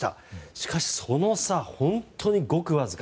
しかし、その差は本当にごくわずか。